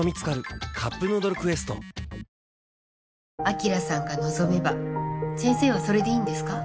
晶さんが望めば先生はそれでいいんですか？